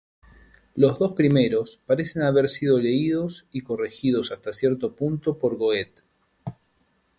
Los dos primeros parecen haber sido leídos y corregidos hasta cierto punto por Goethe.